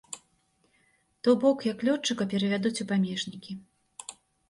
То бок, як лётчыка перавядуць у памежнікі.